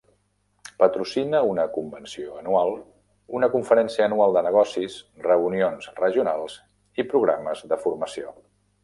Patrocina una convenció anual, una conferència anual de negocis, reunions regionals i programes de formació.